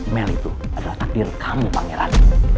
mel itu adalah takdir kamu pangeran